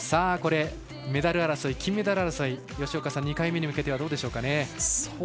メダル争い、金メダル争い吉岡さん、２回目に向けてはどうでしょうかね。